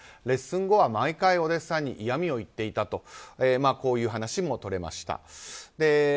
レッスン後は毎回お弟子さんに嫌味を言っていたとこういう話も取れました。